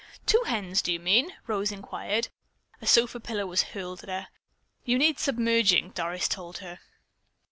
"Two hens, do you mean?" Rose inquired. A sofa pillow was hurled at her. "You need submerging," Doris told her.